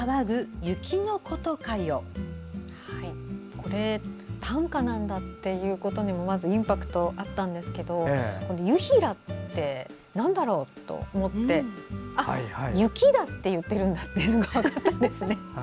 これが短歌なんだってことにもまずインパクトがあったんですが「ゆひら」はなんだろうと思ってあ、雪だっていってるんだって分かったんですね。